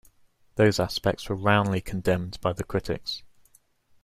Those aspects were roundly condemned by the critics.